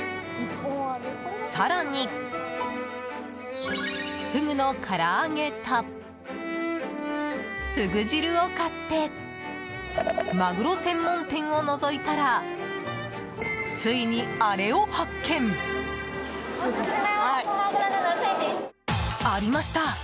更にフグの唐揚げとフグ汁を買ってマグロ専門店をのぞいたらついに、あれを発見！ありました！